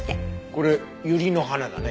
これユリの花だね。